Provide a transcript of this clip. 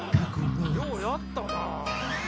ようやったな！